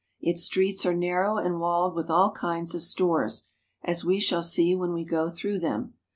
Its streets are narrow and walled with all kinds of stores, as we shall see when we go through them.